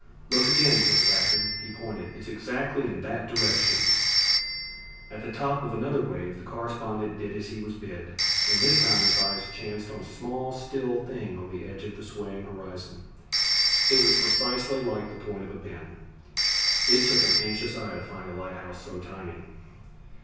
"Look again," said the captain. He pointed. "It's exactly in that direction." At the top of another wave, the correspondent did as he was bid, and this time his eyes chanced on a small still thing on the edge of the swaying horizon. It was precisely like the point of a pin. It took an anxious eye to find a light house so tiny.